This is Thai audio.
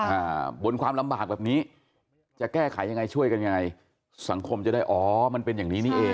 อ่าบนความลำบากแบบนี้จะแก้ไขยังไงช่วยกันยังไงสังคมจะได้อ๋อมันเป็นอย่างนี้นี่เอง